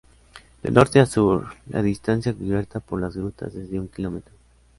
De norte a sur, la distancia cubierta por las grutas es de un kilómetro.